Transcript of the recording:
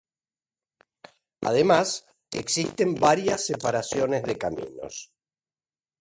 Además existen varias separaciones de caminos.